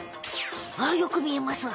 あよく見えますわ！